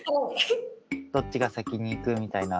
どっちが先にいくみたいな。